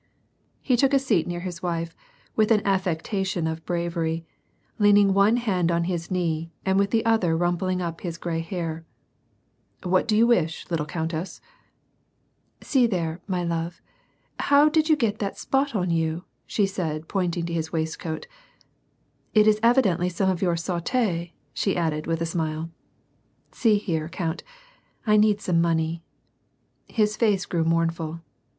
He took a seat near his wife, with an affectation of bravery, leaning one hand on his knee and with the other rumpling up his gray hair :" What do you wish, little countess ?"" See there, my love ; how did you get that spot on you," said she, pointing to his waistcoat. " It is evidently some of your «<7Mf6," she added, with a smile. " See here, count : I need some money." His face grew mournful.